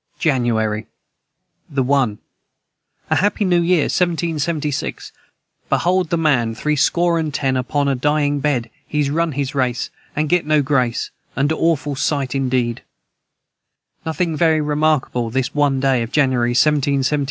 JANUARY. the 1. A Happy new year 1776 Behold the man three score and ten upon a Dying Bed he'se run his race and get no Grace and Awful Sight indeed Nothing very remarkable this 1 day of January 1776 Anoquedomina.